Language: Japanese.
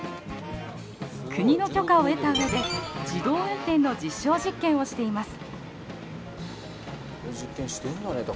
国の許可を得た上で自動運転の実証実験をしています。